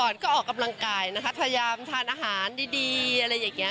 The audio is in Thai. ลับความสวย